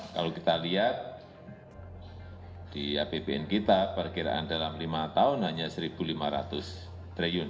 kalau kita lihat di apbn kita perkiraan dalam lima tahun hanya rp satu lima ratus triliun